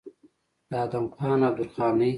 د ادم خان او درخانۍ